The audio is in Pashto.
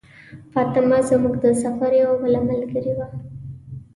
فاطمه زموږ د سفر یوه بله ملګرې وه.